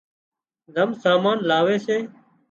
زم سامان لاوي سي